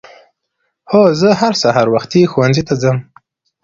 هو زه هر سهار وختي ښؤونځي ته ځم.